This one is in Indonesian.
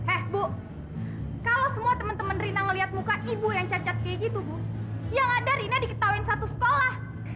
eh bu kalau semua teman teman rina melihat muka ibu yang cacat kayak gitu bu yang ada rina diketahui satu sekolah